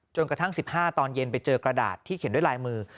กระทั่ง๑๕ตอนเย็นไปเจอกระดาษที่เขียนด้วยลายมือ